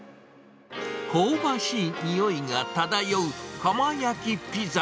香ばしい匂いが漂う窯焼きピザ。